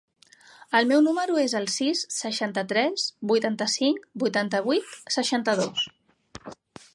El meu número es el sis, seixanta-tres, vuitanta-cinc, vint-i-vuit, seixanta-dos.